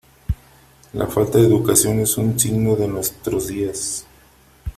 La falta de educación es un signo de nuestros días.